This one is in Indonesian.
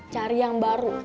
cari yang baru